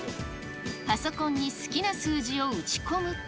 パソコンに好きな数字を打ち込むと。